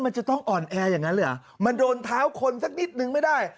มันจะต้องอ่อนแออย่างนั้นเลยเหรอมันโดนเท้าคนสักนิดนึงไม่ได้